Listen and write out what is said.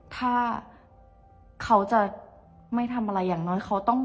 ถ้าเขาจะไม่ทำอะไรอย่างน้อย